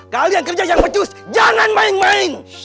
kalian kerja yang khusus jangan main main